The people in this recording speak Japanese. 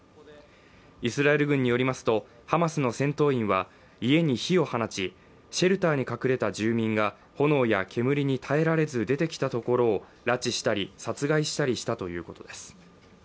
イスラエル軍によりますとハマスの戦闘員は家に火を放ち、シェルターに隠れた住民が炎や煙に耐えられず出てきたところを拉致したり殺害したりしたということです。